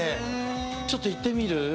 ちょっと行ってみる？